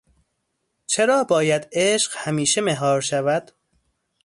چرا باید عشق همیشه مهار شود؟